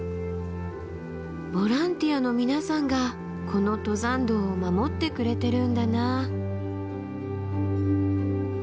ボランティアの皆さんがこの登山道を守ってくれてるんだなあ。